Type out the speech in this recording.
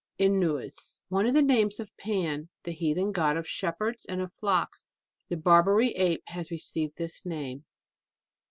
INUUS. (One of the names of Pan, the heathen god of shepherds, and of flocks.) The Barbary ape has received this name.